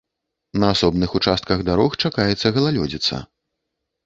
На асобных участках дарог чакаецца галалёдзіца.